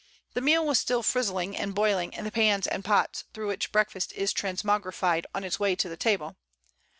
The meal was still frizzling and boiling in the pans and pots through which breakfast is transmogrified on its way to the table.